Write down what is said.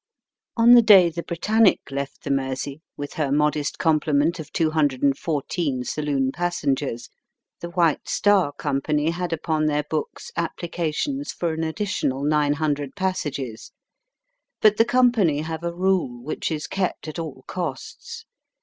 On the day the Britannic left the Mersey, with her modest complement of 214 saloon passengers, the White Star Company had upon their books applications for an additional 900 passages. But the company have a rule, which is kept at all costs.